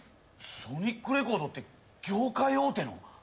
ソニックレコードって業界大手の？